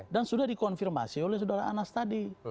dan sudah dikonfirmasi oleh sudara anas tadi